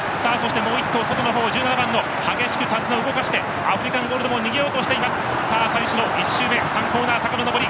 もう１頭、外激しく手綱を動かしてアフリカンゴールドも逃げようとしています。